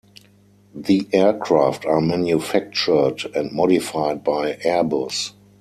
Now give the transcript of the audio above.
The aircraft are manufactured and modified by Airbus.